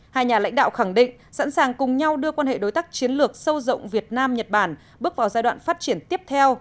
hai nhà lãnh đạo khẳng định sẵn sàng cùng nhau đưa quan hệ đối tác chiến lược sâu rộng việt nam nhật bản bước vào giai đoạn phát triển tiếp theo